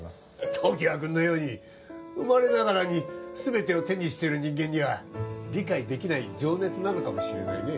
常盤君のように生まれながらに全てを手にしてる人間には理解できない情熱なのかもしれないね